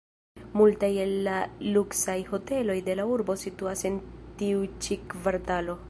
Multaj el la luksaj hoteloj de la urbo situas en tiu ĉi kvartalo.